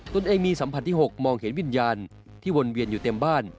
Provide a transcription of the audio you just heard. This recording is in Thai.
ตัวเองมีสัมผัสที่๖มองเห็นวิญญาณที่วนเวียนอยู่เต็มบ้าน